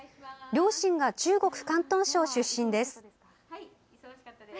両親が中国・広東省出身です。